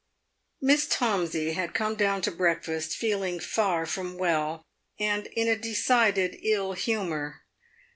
M!iss Tomsey had come down to breakfast, feeling far from well, and in a decided ill humour.